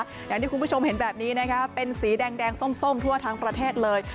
อย่างที่คุณผู้ชมเห็นแบบนี้นะคะเป็นสีแดงส้มทั่วทั้งประเทศเลย